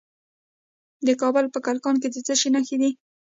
د کابل په کلکان کې د څه شي نښې دي؟